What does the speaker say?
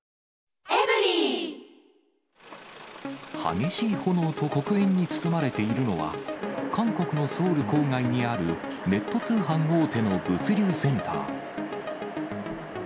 激しい炎と黒煙に包まれているのは、韓国のソウル郊外にあるネット通販大手の物流センター。